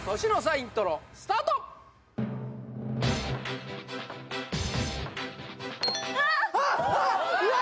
イントロスタートあっあっうわ